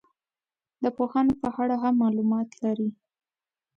د پوهانو په اړه هم معلومات لري.